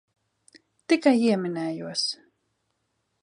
Tikai ieminējos.